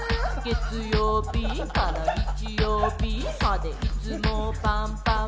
月曜日から日曜日までいつもパンパン。